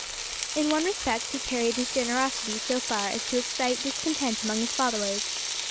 In one respect he carried his generosity so far as to excite discontent among his followers.